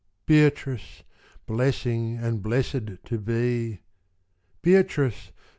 Beatrice! Blessing and blessed to be! Beatrice!